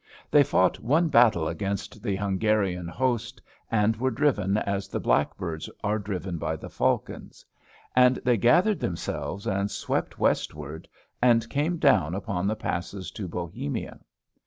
They fought one battle against the Hungarian host, and were driven as the blackbirds are driven by the falcons. And they gathered themselves and swept westward; and came down upon the passes to Bohemia.